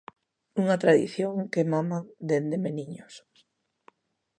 Unha tradición que maman dende meniños.